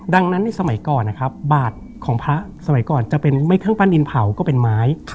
ดังนั้นในสมัยก่อนนะครับบาทของพระสมัยก่อนจะเป็นไม่เครื่องปั้นดินเผาก็เป็นไม้